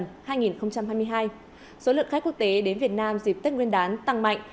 số lượng khách quốc tế đến việt nam dịp tết nguyên đán tăng mạnh